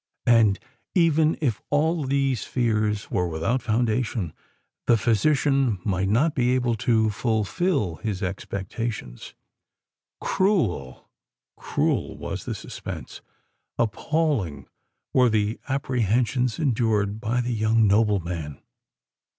And even if all these fears were without foundation, the physician might not be able to fulfil his expectations? Cruel—cruel was the suspense,—appalling were the apprehensions endured by the young nobleman.